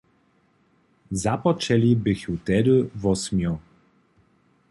Započeli běchu tehdy wosmjo.